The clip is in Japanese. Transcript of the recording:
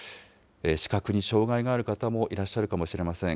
視覚に障害がある方もいらっしゃるかもしれません。